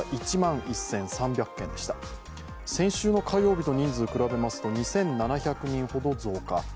先週の火曜日と人数比べますと２７００人ほど増加。